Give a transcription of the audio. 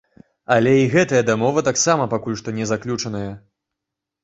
Але і гэтая дамова таксама пакуль што не заключаная.